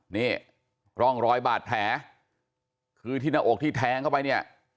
นี่ร่องรอยบาดแผลคือที่หน้าอกที่แทงเข้าไปเนี่ย